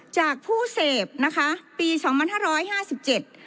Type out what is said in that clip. จากผู้เสพนะคะปีสองพันห้าร้อยห้าสิบเจ็ด